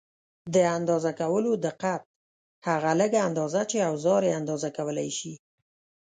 د اندازه کولو دقت: هغه لږه اندازه چې اوزار یې اندازه کولای شي.